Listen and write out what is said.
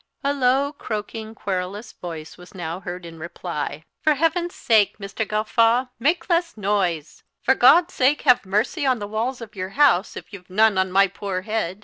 A low, croaking, querulous voice was now heard in reply, "For heaven's sake, Mr. Gawffaw, make less noise! For God's sake, have mercy on the walls of your house, if you've none on my poor head!"